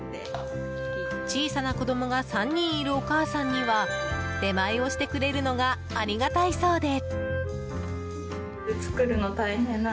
小さな子供が３人いるお母さんには出前をしてくれるのがありがたいそうで。